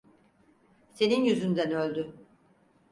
Senin yüzünden öldü.